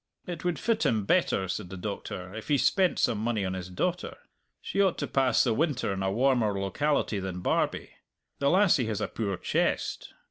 "It would fit him better," said the Doctor, "if he spent some money on his daughter. She ought to pass the winter in a warmer locality than Barbie. The lassie has a poor chest!